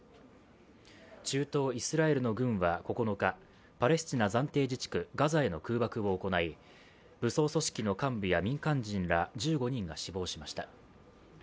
中東・イスラエルの軍は９日、パレスチナ暫定自治区ガザへの空爆を行い、武装組織の幹部や民間人ら１５人が死亡しました。